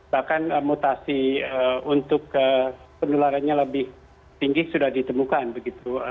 bahkan mutasi untuk penularannya lebih tinggi sudah ditemukan begitu